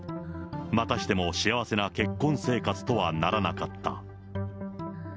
またしても幸せな結婚生活とはならなかった。